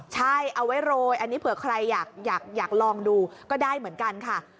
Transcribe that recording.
ใช่เอาไว้โรยอันนี้เผื่อใครอยากลองดูก็ได้เหมือนกันค่ะ